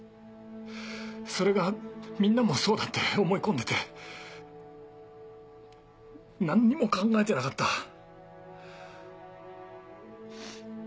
それがみんなもそうだって思い込んでて何にも考えてなかった。